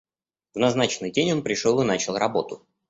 В назначенный день он пришел и начал работу.